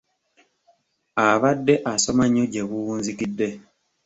Abadde asoma nnyo gye buwunzikidde.